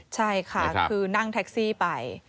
ใช่ค่ะคือนั่งแท็กซี่ไป